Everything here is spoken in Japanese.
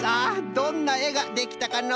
どんなえができたかのう？